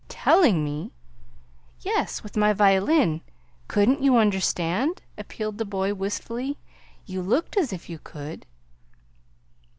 "Telling me!" "Yes, with my violin. COULDn't you understand?" appealed the boy wistfully. "You looked as if you could!"